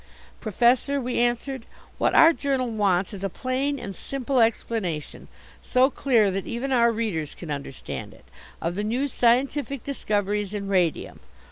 "Professor," we answered, "what our journal wants is a plain and simple explanation, so clear that even our readers can understand it, of the new scientific discoveries in radium.